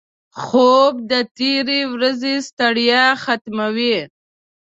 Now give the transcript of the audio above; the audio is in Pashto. خوب د تېرې ورځې ستړیا ختموي